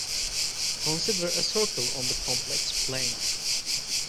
Consider a circle on the complex plane.